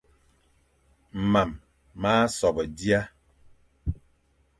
Mam ma sobe dia,